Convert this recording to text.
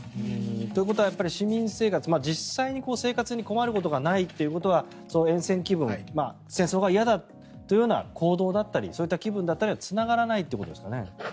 ということは市民生活実際に生活に困ることがないということはえん戦気分、戦争が嫌だというような行動だったりそういった気分だったりにはつながらないということですか。